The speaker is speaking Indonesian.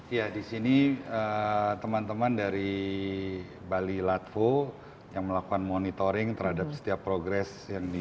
ya di sini teman teman dari bali latvo yang melakukan monitoring terhadap setiap progres yang di